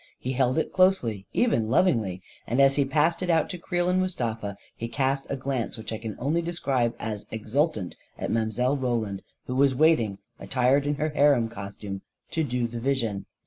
He held it closely, even lovingly, and as he passed it out to Creel and Mustafa, he cast a glance which I can only describe as exultant at Mile. Roland, who was waiting, at tired in her harem costume, to do the vision.